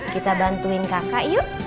kita bantuin kakak yuk